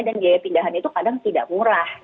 dan biaya pindahannya itu kadang tidak murah